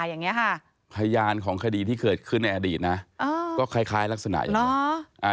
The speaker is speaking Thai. พยายามของคดีที่เกิดขึ้นในอดีตก็คล้ายลักษณะอย่างนั้น